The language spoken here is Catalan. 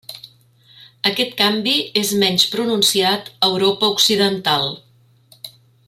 Aquest canvi és menys pronunciat a Europa occidental.